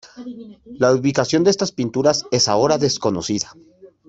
La ubicación de estas pinturas es ahora desconocida.